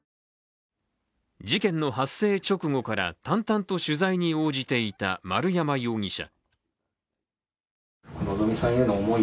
事件の発生直後から淡々と取材に応じていた丸山容疑者。